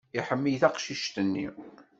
Iḥemmel taqcict-nni.